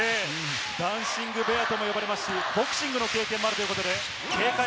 ダンシングベアとも呼ばれますし、ボクシングの経験もあります。